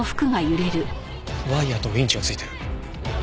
ワイヤとウィンチが付いてる。